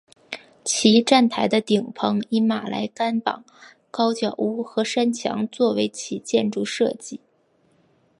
其站台的顶棚以马来甘榜高脚屋和山墙作为其建筑设计。